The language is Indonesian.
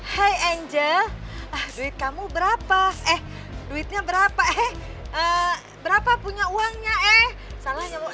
hai angel duit kamu berapa eh duitnya berapa eh berapa punya uangnya eh salah nyamut